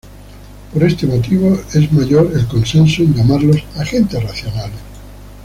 Por este motivo es mayor el consenso en llamarlos agentes racionales.